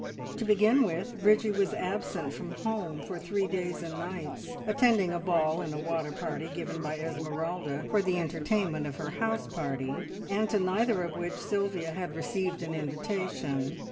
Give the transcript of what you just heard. To begin with, Bridgie was absent from home for three days and nights, attending a ball and a water party given by Esmeralda for the entertainment of her house party, and to neither of which Sylvia had received an invitation.